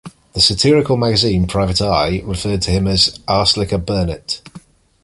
The satirical magazine "Private Eye" referred to him as "Arslicker Burnet".